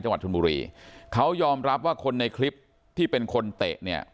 จังหวัดชนบุรีเขายอมรับว่าคนในคลิปที่เป็นคนเตะเนี่ย